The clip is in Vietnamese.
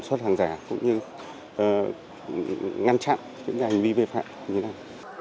chảm suất hàng giả cũng như ngăn chặn những hành vi bệ phạm